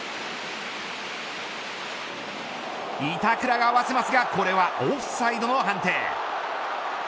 板倉が合わせますがこれはオフサイドの判定。